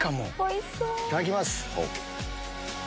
いただきます。